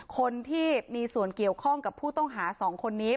คนที่มีส่วนเกี่ยวข้องกับผู้ต้องหา๒คนนี้